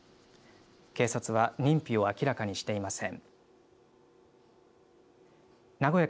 警察は認否を明らかにしていません。